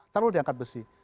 tarul diangkat besi